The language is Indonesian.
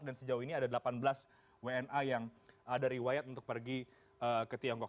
dan sejauh ini ada delapan belas wni yang ada riwayat untuk pergi ke tiongkok